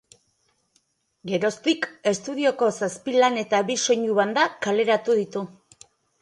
Geroztik, estudioko zazpi lan eta bi soinu-banda kaleratu ditu.